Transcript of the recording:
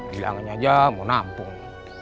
bilangin aja mau nampung